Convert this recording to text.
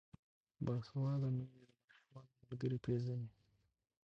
باسواده میندې د ماشومانو ملګري پیژني.